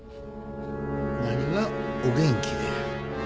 何が「お元気で」や？